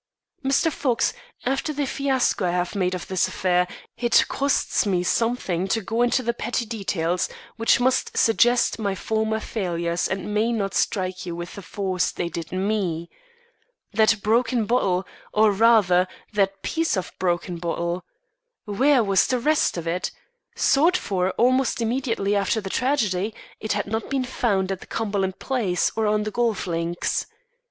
"Mr. Fox, after the fiasco I have made of this affair, it costs me something to go into petty details which must suggest my former failures and may not strike you with the force they did me. That broken bottle or rather, that piece of broken bottle! Where was the rest of it? Sought for almost immediately after the tragedy, it had not been found at the Cumberland place or on the golf links.